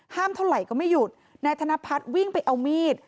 เท่าไหร่ก็ไม่หยุดนายธนพัฒน์วิ่งไปเอามีด